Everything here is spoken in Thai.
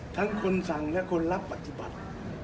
ทั้งคนสั่งและคนรับปฏิบัติ